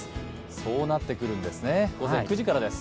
そうなってくるんですね、午前９時からです。